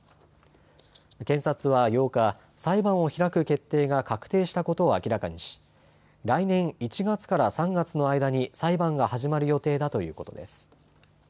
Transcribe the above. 検察は８日、裁判を開く決定が確定したことを明らかにし来年１月から３月の間に裁判が始まる予定だということです。